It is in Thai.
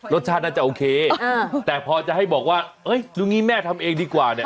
รสชาติน่าจะโอเคแต่พอจะให้บอกว่ารู้งี้แม่ทำเองดีกว่าเนี่ย